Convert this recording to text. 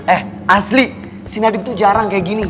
eh asli si nadif tuh jarang kayak gini